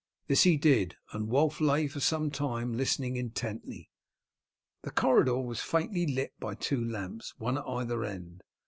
This he did, and Wulf lay for some time listening intently. The corridor was faintly lit by two lamps, one at either end.